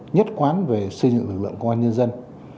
nhất quán về xây dựng lực lượng công an nhân dân